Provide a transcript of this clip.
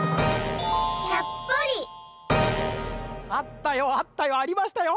あったよあったよありましたよ！